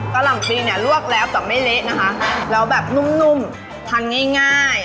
หล่ำปลีเนี่ยลวกแล้วแต่ไม่เละนะคะแล้วแบบนุ่มนุ่มทานง่าย